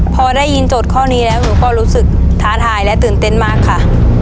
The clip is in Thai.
พอได้ยินโจทย์ข้อนี้แล้วหนูก็รู้สึกท้าทายและตื่นเต้นมากค่ะ